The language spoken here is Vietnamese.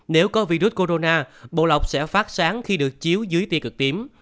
nếu có virus corona bộ lọc sẽ phát sáng khi được chiếu dưới ti cực tím